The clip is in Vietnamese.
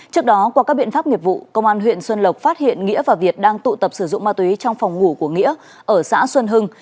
trước đó qua các biện pháp nghiệp vụ công an huyện xuân lộc phát hiện nghĩa và việt đang tụ tập sử dụng ma túy trong phòng ngủ của nghĩa ở xã xuân hưng